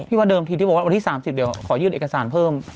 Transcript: ว่าเดิมทีที่บอกว่าวันที่๓๐เดี๋ยวขอยื่นเอกสารเพิ่ม